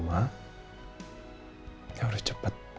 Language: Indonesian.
mereka harus cepat